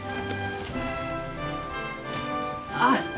あっ！